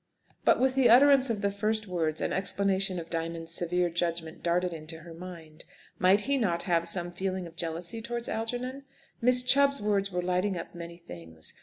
But with the utterance of the first words an explanation of Diamond's severe judgment darted into her mind. Might he not have some feeling of jealousy towards Algernon? (Miss Chubb's words were lighting up many things.